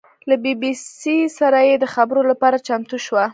له بي بي سي سره د خبرو لپاره چمتو شوه.